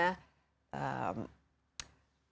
ketika kita memulai yang namanya